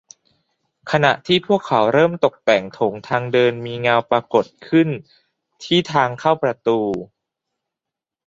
ขณะที่พวกเขาเริ่มตกแต่งโถงทางเดินมีเงาปรากฏขึ้นที่ทางเข้าประตู